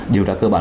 điều trả cơ bản